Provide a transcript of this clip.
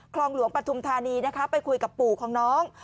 คลองหลวงปฐุมธานีนะคะไปคุยกับปู่ของน้อง